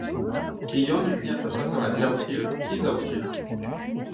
І ён імкнецца працаваць для ўсіх і за ўсіх.